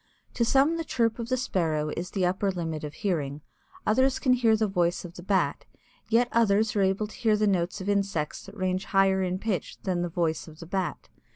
To some the chirp of the Sparrow is the upper limit of hearing, others can hear the voice of the Bat, yet others are able to hear the notes of insects that range higher in pitch than the voice of the Bat.